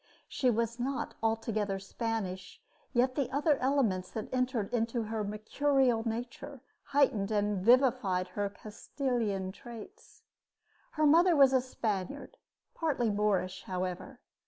She was not altogether Spanish, yet the other elements that entered into her mercurial nature heightened and vivified her Castilian traits. Her mother was a Spaniard partly Moorish, however.